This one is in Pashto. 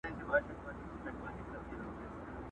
یو پر تا مین یم له هر یار سره مي نه لګي؛